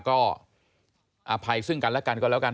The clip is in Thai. ก็อภัยซึ่งกันและกันก็แล้วกัน